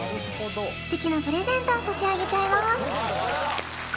すてきなプレゼントを差し上げちゃいます